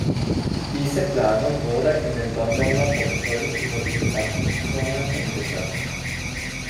Diese Planung wurde in den Londoner Protokollen über die Besatzungszonen umgesetzt.